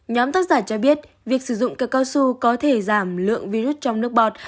nhóm tác giả cho biết việc sử dụng c cao su có thể giảm lượng virus trong nước bọt